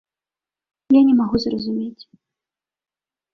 Я не магу зразумець.